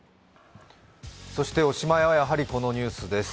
おしまいはやはりこのニュースです。